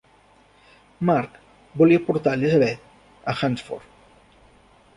March volia portar Elizabeth a Hunsford.